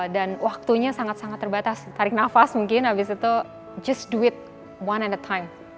dan waktunya sangat sangat terbatas tarik nafas mungkin habis itu just do it one at a time